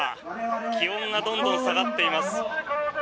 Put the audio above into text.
気温がどんどん下がっています。